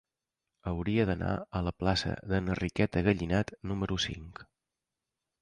Hauria d'anar a la plaça d'Enriqueta Gallinat número cinc.